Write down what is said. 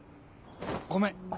ごめん！